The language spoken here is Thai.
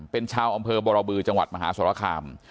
เป็นชาวอำเภอบรบือจังหวัดมหาสรคาม